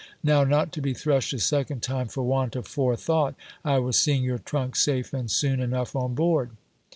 Now, not to be threshed a second time for want of forethought, I was seeing your trunk safe and soon enough on board.